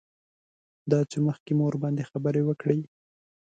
دا چې مخکې مو ورباندې خبرې وکړې.